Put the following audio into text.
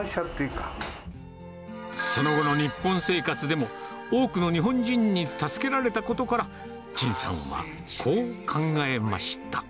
その後の日本生活でも、多くの日本人に助けられたことから、陳さんはこう考えました。